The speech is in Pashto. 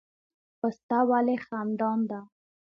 پسته ولې خندان ده؟